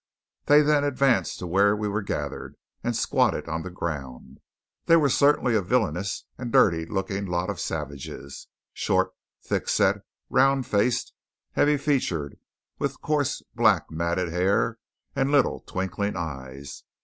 They then advanced to where we were gathered and squatted on the ground. They were certainly a villainous and dirty looking lot of savages, short, thickset, round faced, heavy featured, with coarse, black, matted hair and little twinkling eyes.